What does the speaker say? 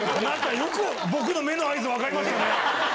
よく僕の目の合図、分かりましたね。